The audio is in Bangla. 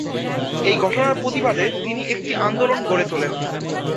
এই ঘটনার প্রতিবাদে তিনি একটি আন্দোলন গড়ে তোলেন।